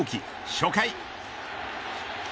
初回。